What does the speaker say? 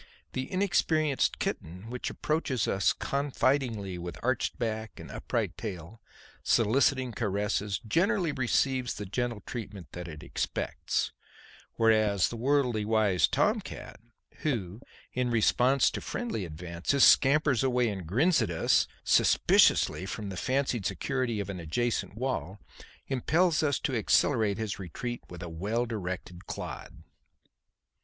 The inexperienced kitten which approaches us confidingly with arched back and upright tail, soliciting caresses, generally receives the gentle treatment that it expects; whereas the worldly wise tom cat, who, in response to friendly advances, scampers away and grins at us suspiciously from the fancied security of an adjacent wall, impels us to accelerate his retreat with a well directed clod.